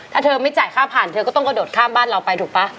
ถ้าเธอไม่จ่ายค่าผ่านเธอก็ต้องกระโดดข้ามบ้านเราไปถูกป่ะ